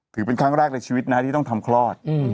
ถือเป็นครั้งแรกในชีวิตนะที่ต้องทำคลอด